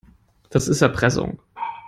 Das ist Erpressung.